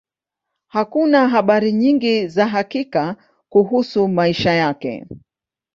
Hakuna habari nyingi za hakika kuhusu maisha yake.